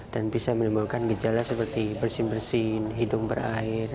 dan bisa menimbulkan gejala seperti bersin bersin hidung berair sakit tenggorokan